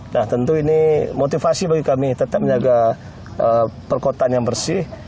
nah tentu ini motivasi bagi kami tetap menjaga perkotaan yang bersih